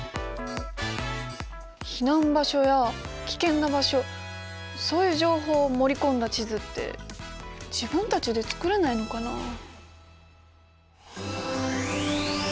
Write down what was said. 避難場所や危険な場所そういう情報を盛り込んだ地図って自分たちで作れないのかなあ。